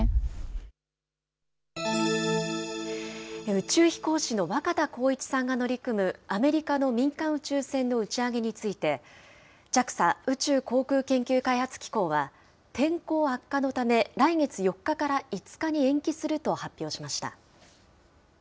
宇宙飛行士の若田光一さんが乗り組むアメリカの民間宇宙船の打ち上げについて、ＪＡＸＡ・宇宙航空研究開発機構は、天候悪化のため来月４日から５日に延期すると発表しました。